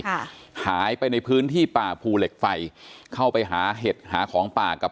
ปกติพี่สาวเราเนี่ยครับเป็นคนเชี่ยวชาญในเส้นทางป่าทางนี้อยู่แล้วหรือเปล่าครับ